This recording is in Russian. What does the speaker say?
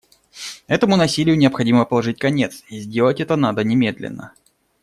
Этому насилию необходимо положить конец, и сделать это надо немедленно.